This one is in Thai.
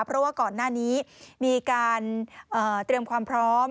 เพราะว่าก่อนหน้านี้มีการเตรียมความพร้อม